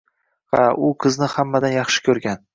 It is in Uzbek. Ha, u qizni hammadan koʻp yaxshi koʻrgan.